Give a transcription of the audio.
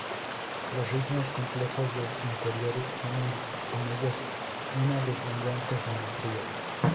Los ritmos complejos del interior tienen en ellos una deslumbrante geometría.